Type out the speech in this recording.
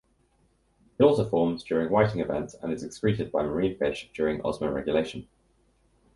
It also forms during whiting events and is excreted by marine fish during osmoregulation.